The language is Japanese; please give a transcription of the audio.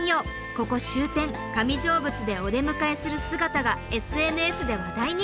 ここ終点上成仏でお出迎えする姿がＳＮＳで話題に。